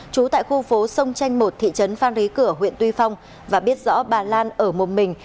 trú tại khu phố sông chanh một thị trấn phan rí cửa huyện tuy phong và biết rõ bà lan ở một mình